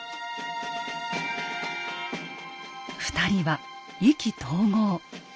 ２人は意気投合。